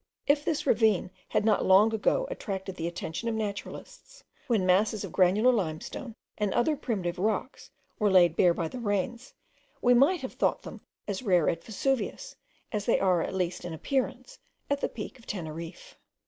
If this ravine had not long ago attracted the attention of naturalists, when masses of granular limestone, and other primitive rocks, were laid bare by the rains, we might have thought them as rare at Vesuvius, as they are, at least in appearance, at the Peak of Teneriffe.